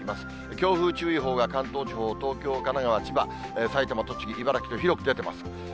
強風注意報が関東地方、東京、神奈川、千葉、埼玉、栃木、茨城と広く出ています。